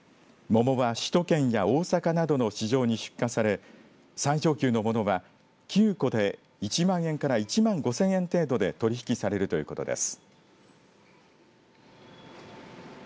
桃は首都圏や大阪などの市場に出荷され最上級のものは９個で１万円から１万５０００円程度で取引されるということです。